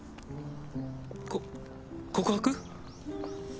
こっ告白？